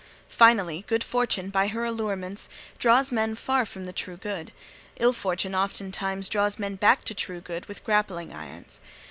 Finally, Good Fortune, by her allurements, draws men far from the true good; Ill Fortune ofttimes draws men back to true good with grappling irons.